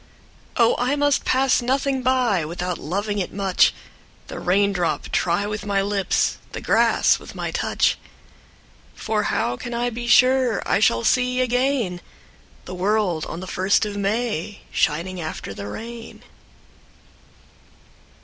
Oh I must pass nothing by Without loving it much, The raindrop try with my lips, The grass with my touch; For how can I be sure I shall see again The world on the first of May Shining after the rain?